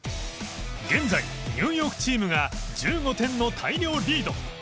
現在ニューヨークチームが１５点の大量リード